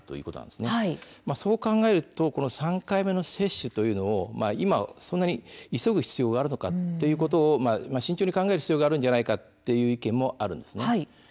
そう考えると３回目の接種を今、急ぐ必要があるのかということを慎重に考える必要があるのではないかという意見もあるんです。